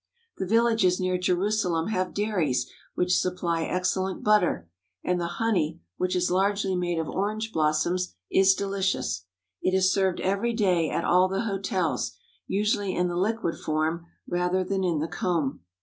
The villages near Jerusalem have dairies which supply excellent butter, and the honey, which is largely made of orange blossoms, is de licious. It is served every day at all the hotels, usually in the liquid form rather than in the comb.